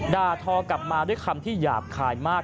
ด่าทอกลับมาด้วยคำที่หยาบคายมาก